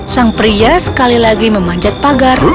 sang pria sekali lagi memanjat pagar